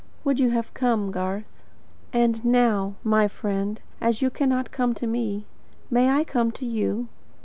Would you have come, Garth? And now, my friend, as you cannot come to me, may I come to you?